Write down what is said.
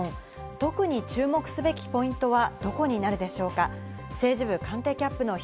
特に注目すべきポイントはどこになるでしょうか？